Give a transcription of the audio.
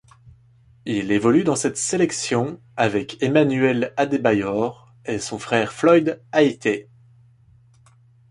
Il évolue dans cette sélection avec Emmanuel Adebayor et son frère Floyd Ayité.